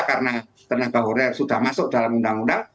karena tenaga honorer sudah masuk dalam undang undang